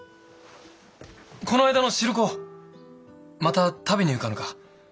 この間の汁粉また食べに行かぬか？